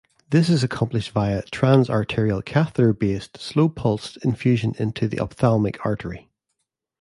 This is accomplished via transarterial catheter based slow pulsed infusion into the ophthalmic artery.